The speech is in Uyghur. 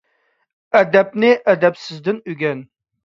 ئەدەپنى ئەدەپسىزدىن ئۆگەن.